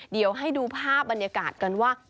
เดี๋ยวให้ดูภาพบรรยากาศกันว่า